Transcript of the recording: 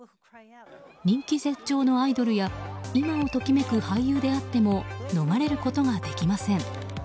人気絶頂のアイドルや今を時めく俳優であっても逃れることができません。